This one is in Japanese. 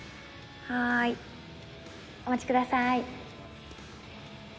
はいお待ちください。